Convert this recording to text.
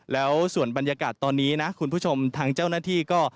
แล้วส่วนบรรยากาศตอนนี้ทางเจ้าหน้าที่ก็